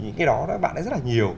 cái đó bạn ấy rất là nhiều